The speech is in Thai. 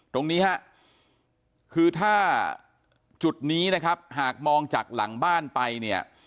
ตรงนี้ฮะคือถ้าจุดนี้นะครับหากมองจากหลังบ้านไปเนี่ย